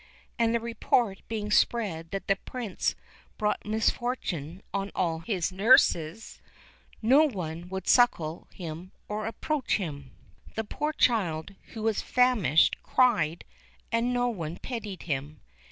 And the report being spread that the Prince brought misfortune on all his nurses, no one would suckle him or approach him. The poor child, who was famished, cried, and no one pitied him.